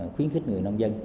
khuyến khích người nông dân